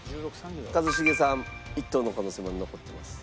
一茂さん１等の可能性まだ残っています。